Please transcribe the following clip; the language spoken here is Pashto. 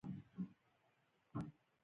وطن زموږ د زړونو ارزښت دی.